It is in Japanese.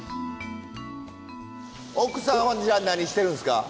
奥さんはじゃあ何してるんですか？